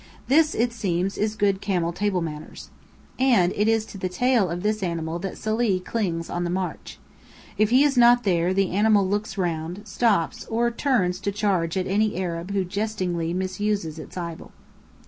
This, it seems, is good camel table manners. And it is to the tail of this animal that Salih clings on the march. If he is not there, the animal looks round, stops, or turns to charge at any Arab who jestingly misuses its idol.